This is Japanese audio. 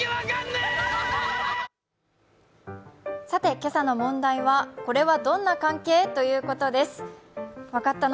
今朝の問題は、これはどんな関係？ということです